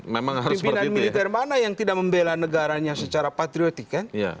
pimpinan militer mana yang tidak membela negaranya secara patriotik kan